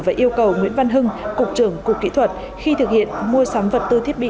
và yêu cầu nguyễn văn hưng cục trưởng cục kỹ thuật khi thực hiện mua sắm vật tư thiết bị